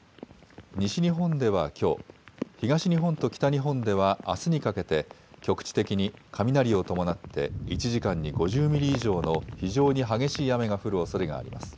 西日本ではきょう、東日本と北日本ではあすにかけて局地的に雷を伴って１時間に５０ミリ以上の非常に激しい雨が降るおそれがあります。